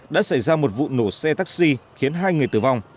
đã xảy ra một vụ nổ xe taxi khiến hai người tử vong